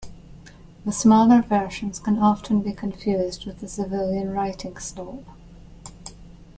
The smaller versions can often be confused with the civilian writing slope.